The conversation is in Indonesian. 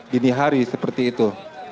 dini hari seperti itu